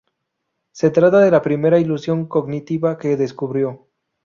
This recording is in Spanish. Se trata de la primera ilusión cognitiva que descubrió.